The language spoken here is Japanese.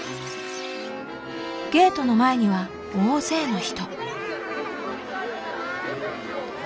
ゲートの前には大勢の人。